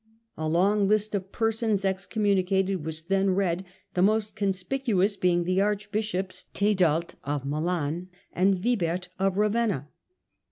A long list of persons exconmiunicated was then read, the most conspicuous being the archbishops Tedald of Milan and Wibert of Ravenna.